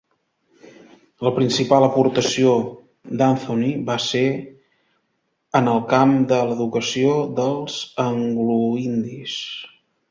La principal aportació d'Anthony va ser en el camp de l'educació dels angloindis.